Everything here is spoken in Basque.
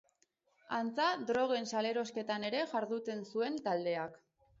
Antza drogen salerosketan ere jarduten zuen taldeak.